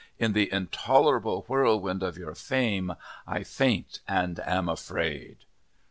In the intolerable Whirlwind of your Fame I faint and am afraid."